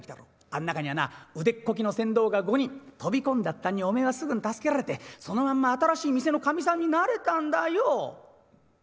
あん中にはな腕っこきの船頭が５人飛び込んだ途端におめえはすぐに助けられてそのまま新しい店のかみさんになれたんだよ」。